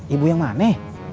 ibu yang mana